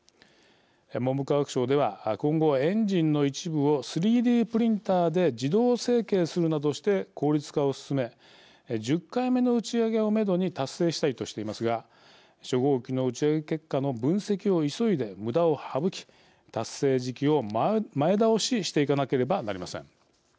文部科学省では今後、エンジンの一部を３Ｄプリンターで自動成形するなどして効率化を進め１０回目の打ち上げをめどに達成したいとしていますが初号機の打ち上げ結果の分析を急いで無駄を省き達成時期を前倒ししていかなければなりません。